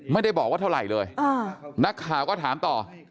ไม่ได้บอกว่าเท่าไหร่เลยนักข่าวก็ถามต่อ